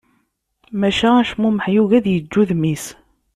Maca acmumeḥ yugi ad yeǧǧ udem-is.